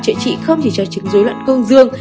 chữa trị không chỉ cho chứng dối loạn cương dương